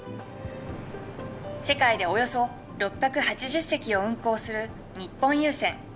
世界でおよそ６８０隻を運航する日本郵船。